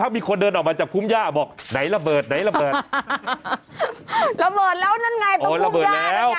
ระเบิดแล้วต้องถูกกุมยาละไงอะเออโอ้ยระเบิดแล้ว